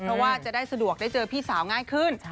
เพราะว่าจะได้สะดวกได้เจอพี่สาวง่ายขึ้น